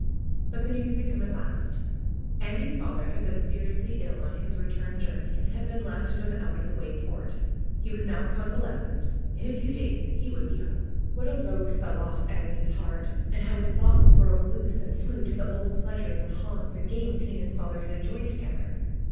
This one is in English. But the news had come at last. Andy's father had been seriously ill on his return journey and had been S4> ANDY'S VISION left at an out of the way port. He was now convales cent. In a few days he would be home. What a load fell off Andy's heart! And how his thoughts broke loose and flew to the old pleasures, and haunts, and games he and his father had enjoyed to gether